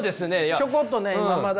ちょこっとね今まだ。